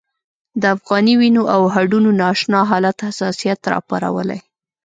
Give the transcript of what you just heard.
د افغاني وینو او هډونو نا اشنا حالت حساسیت راپارولی.